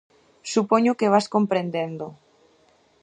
Supoño que vas comprendendo.